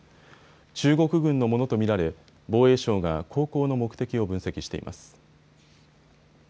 中国軍のものと見られ防衛省が航行の目的を分析しています。